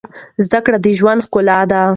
زده کړه د ژوند ښکلا ده.